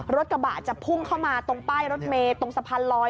รถกระบะจะพุ่งเข้ามาตรงป้ายรถเมย์ตรงสะพานลอย